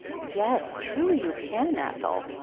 "Yes, truly you can, Ethel.